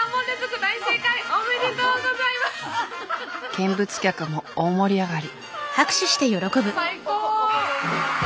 見物客も大盛り上がり。